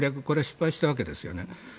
これは失敗したわけですよね。